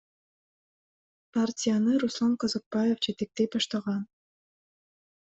Партияны Руслан Казакбаев жетектей баштаган.